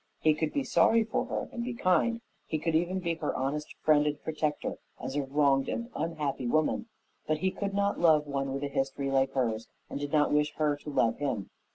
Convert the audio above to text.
He could be sorry for her and be kind; he could even be her honest friend and protector as a wronged and unhappy woman, but he could not love one with a history like hers and did not wish her to love him.